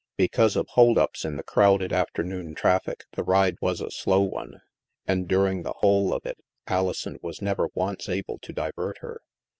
Be cause of hold ups in the crowded afternoon traffic, the ride was a slow one. And during the whole of it, Alison was never once able to divert her.